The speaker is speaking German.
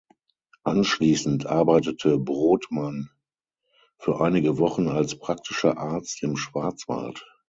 Anschließend arbeitete Brodmann für einige Wochen als praktischer Arzt im Schwarzwald.